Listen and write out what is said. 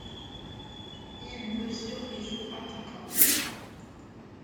Il mesure et joue attaquant.